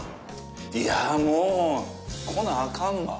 いや、もう、来なあかんわ。